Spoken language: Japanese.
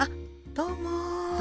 どうも。